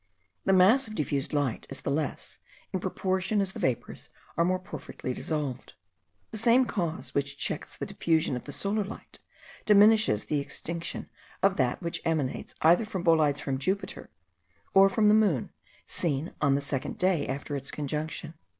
The mass of diffused light is the less, in proportion as the vapours are more perfectly dissolved. The same cause which checks the diffusion of the solar light, diminishes the extinction of that which emanates either from bolides from Jupiter, or from the moon, seen on the second day after its conjunction.